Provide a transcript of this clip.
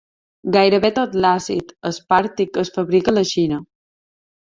Gairebé tot l'àcid aspàrtic es fabrica a la Xina.